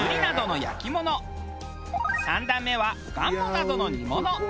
３段目はがんもなどの煮物。